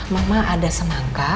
mama ada semangka